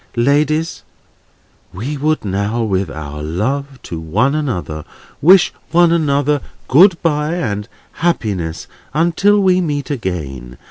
Ladies, we would now, with our love to one another, wish one another good bye, and happiness, until we met again.